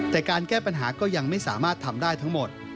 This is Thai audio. แต่การแก้ปัญหาก็ยังไม่สามารถทำได้ทั้งหมด